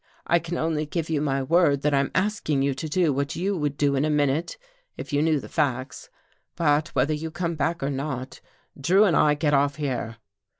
" I can only give you my word that I'm asking you to do what you would do in a minute, if you knew the facts. But whether you come back or not, Drew and I get off here."